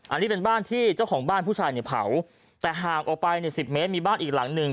อันนี้เป็นบ้านที่เจ้าของบ้านผู้ชายเนี่ยเผาแต่ห่างออกไปเนี่ยสิบเมตรมีบ้านอีกหลังหนึ่ง